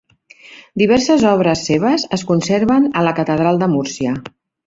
Diverses obres seves es conserven a la catedral de Múrcia.